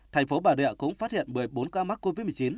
thành phố bà rịa cũng phát hiện một mươi bốn ca mắc covid một mươi chín